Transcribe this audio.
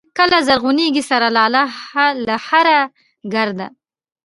کله زرغونېږي سره لاله له هره ګرده